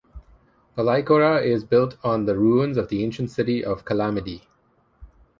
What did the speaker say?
Palaiochora is built on the ruins of the ancient city of Kalamydi.